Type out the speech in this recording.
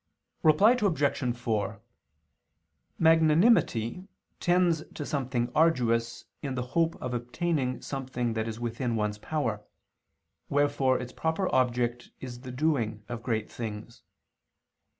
Reply Obj. 4: Magnanimity tends to something arduous in the hope of obtaining something that is within one's power, wherefore its proper object is the doing of great things.